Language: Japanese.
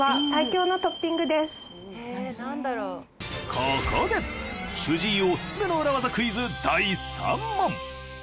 ここで主治医オススメの裏ワザクイズ第３問。